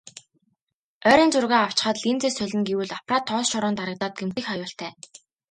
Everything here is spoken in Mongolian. Ойрын зургаа авчхаад линзээ солино гэвэл аппарат тоос шороонд дарагдаад гэмтэх аюултай.